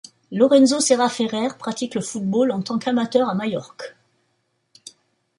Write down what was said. Lorenzo Serra Ferrer pratique le football en tant qu'amateur à Majorque.